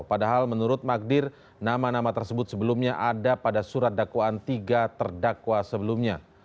padahal menurut magdir nama nama tersebut sebelumnya ada pada surat dakwaan tiga terdakwa sebelumnya